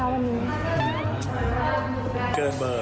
อันนี้ก็ซุ๊กอยู่บ้าง